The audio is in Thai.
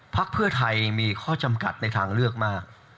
พักเพื่อไทยมีข้อจำกัดในทางเลือกมาก